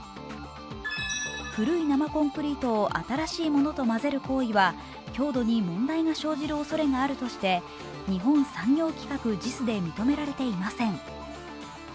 古い生コンクリートを新しいものと混ぜる行為は強度に問題が生じるおそれがあるとして、日本産業規格＝ＪＩＳで認められていません。